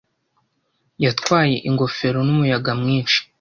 Yatwaye ingofero n'umuyaga mwinshi.